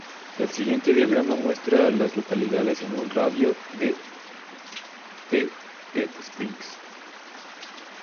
El siguiente diagrama muestra a las localidades en un radio de de Heath Springs.